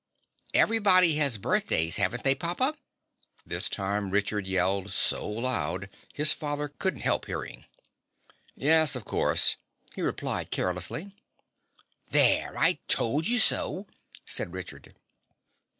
"Everybody has birthdays, haven't they, papa?" This time Richard yelled so loud his father couldn't help hearing. "Yes, of course," he replied carelessly. "There, I told you so!" said Richard.